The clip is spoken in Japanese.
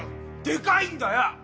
でかいんだよ！